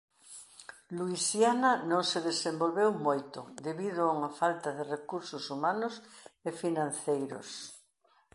Luisiana non se desenvolveu moito debido a unha falta de recursos humanos e financeiros.